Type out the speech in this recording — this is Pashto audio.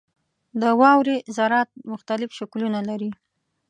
• د واورې ذرات مختلف شکلونه لري.